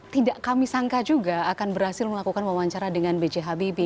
tidak kami sangka juga akan berhasil melakukan wawancara dengan b j habibie